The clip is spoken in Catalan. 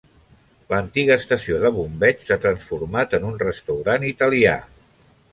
L'antiga estació de bombeig s'ha transformat en un restaurant italià.